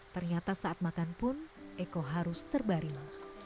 ternyata saat makan pun eko harus terbaring